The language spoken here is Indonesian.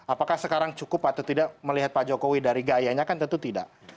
apakah sekarang cukup atau tidak melihat pak jokowi dari gayanya kan tentu tidak